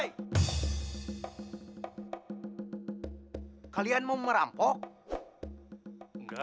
agar orang tua kamu bisa ke surga